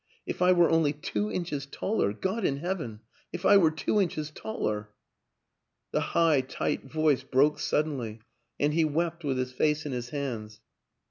If I were only two inches taller God in Heaven, if I were two inches taller! " The high, tight voice broke suddenly and he wept with his face in his hands.